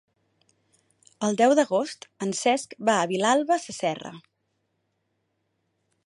El deu d'agost en Cesc va a Vilalba Sasserra.